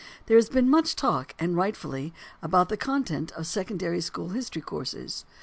There has been much talk, and rightfully, about the content of secondary school history courses.